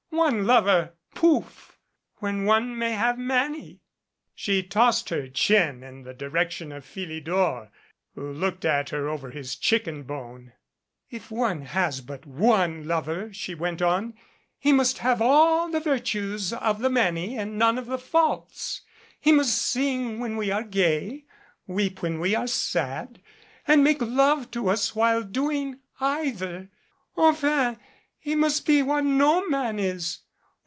One lover pouf ! When one may have many." She tossed her chin in the direction of Philidor, who looked at her over his chicken bone. "If one has but one lover," she went on, "he must have all of the virtues of the many and none of the faults. He must sing when we are gay, weep when we are sad, and make love to us while doing either. Enfin, he must be what no man is.